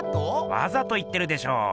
わざと言ってるでしょ。